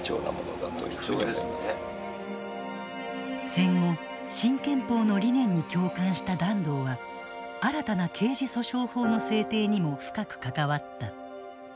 戦後新憲法の理念に共感した團藤は新たな刑事訴訟法の制定にも深く関わった。